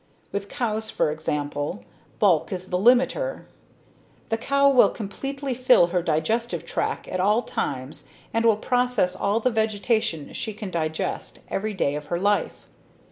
With cows, for example, bulk is the limiter. The cow will completely fill her digestive tract at all times and will process all the vegetation she can digest every day of her life.